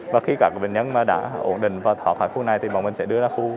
và khi các bệnh nhân mà đã ổn định và thoát khỏi khu này thì bọn mình sẽ đưa ra khu